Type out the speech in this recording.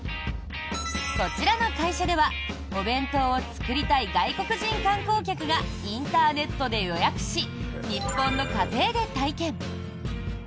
こちらの会社ではお弁当を作りたい外国人観光客がインターネットで予約し日本の家庭で体験。